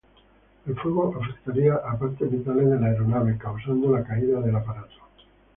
El fuego afectaría a partes vitales de la aeronave, causando la caída del aparato.